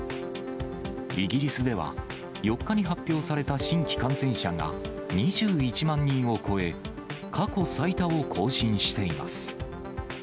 イギリスでは、４日に発表された新規感染者が２１万人を超え、過去最多を更新しています。